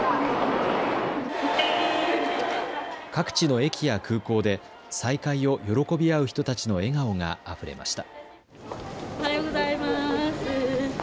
各地の駅や空港で再会を喜び合う人たちの笑顔があふれました。